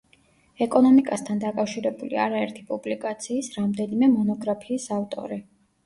ეკონომიკასთან დაკავშირებული არაერთი პუბლიკაციის, რამდენიმე მონოგრაფიის ავტორი.